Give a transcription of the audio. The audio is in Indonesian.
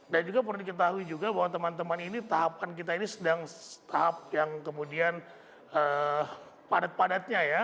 dan juga perlu diketahui juga bahwa teman teman ini tahapan kita ini sedang tahap yang kemudian padat padatnya ya